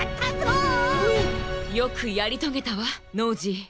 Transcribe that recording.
よくやりとげたわノージー。